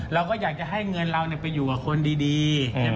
เราก็อยากจะให้เงินเราไปอยู่กับคนดี